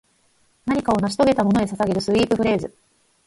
何かを成し遂げたものへ捧げるスウィープフレーズ